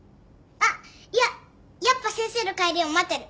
あっいややっぱ先生の帰りを待ってる。